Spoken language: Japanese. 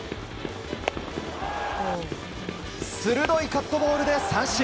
鋭いカットボールで三振。